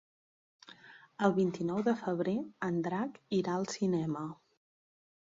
El vint-i-nou de febrer en Drac irà al cinema.